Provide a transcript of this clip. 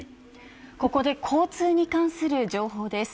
ここで交通に関する情報です。